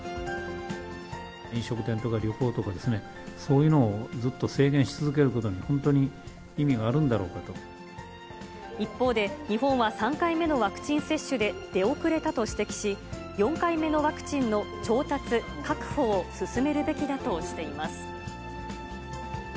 飲食店とか旅行とかですね、そういうのをずっと制限し続けることに、本当に意味があるんだろ一方で、日本は３回目のワクチン接種で出遅れたと指摘し、４回目のワクチンの調達・確保を進めるべきだとしています。